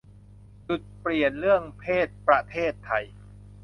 จุดเปลี่ยนเรื่องเพศประเทศไทย